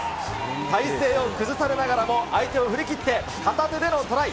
体勢を崩されながらも相手を振り切って片手でのトライ。